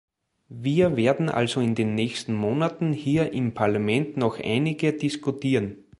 Wir werden also in den nächsten Monaten hier im Parlament noch einige diskutieren.